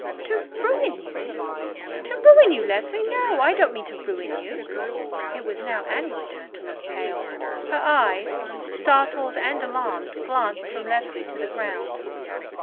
"To ruin you—to ruin you, Leslie? No; I don't mean to ruin you." It was now Annie's turn to look pale; her eyes, startled and alarmed, glanced from Leslie to the ground.